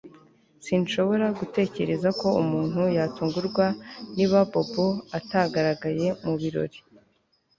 Sinshobora gutekereza ko umuntu yatungurwa niba Bobo atagaragaye mubirori